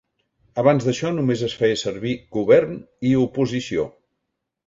Abans d'això, només es feia servir "Govern" i "Oposició".